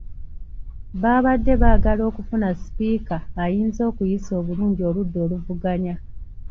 Baabadde baagala okufuna sipiika ayinza okuyisa obulungi oludda oluvuganya .